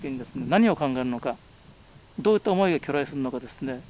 何を考えるのかどういった思いが去来するのかですね